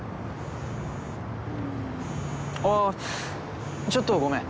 あっちょっとごめん。